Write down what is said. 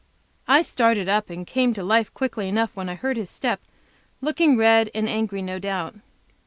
I started up and came to life quickly enough when I heard his step, looking red and angry, no doubt.